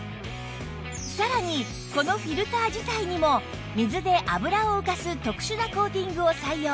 さらにこのフィルター自体にも水で油を浮かす特殊なコーティングを採用